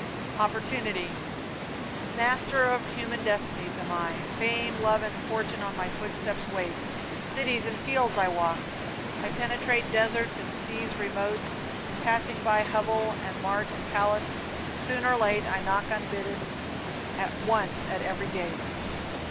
OPPORTUNITY. Master of human destinies am I. Fame, Love and Fortune on my footsteps wait. Cities and fields I walk; I penetrate Deserts and seas remote, and, passing by Hovel, and mart, and palace, soon or late I knock unbidden once at every gate!